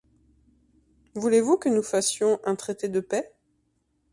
Voulez-vous que nous fassions un traité de paix?